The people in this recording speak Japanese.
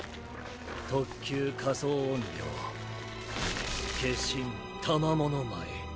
特級仮想怨霊化身玉藻前。